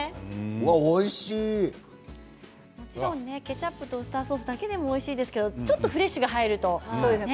もちろんケチャップとウスターソースだけでもおいしいですけれどもフレッシュが入るとね。